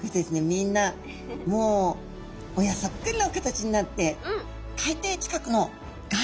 みんなもう親そっくりの形になって海底近くの岩礁。